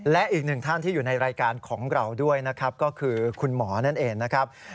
และอีกหนึ่งท่านที่อยู่ในรายการของเราด้วยนะครับก็คือคุณหมอนั่นเองนะครับ